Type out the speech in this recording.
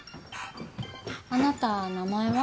あなた名前は？